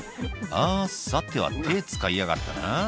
「あぁさては手使いやがったな？」